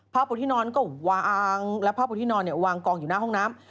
พาปตินนท์ก็วางกองอยู่หน้าห้องน้ำ